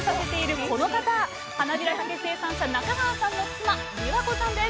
はなびらたけ生産者中川さんの妻理和子さんです！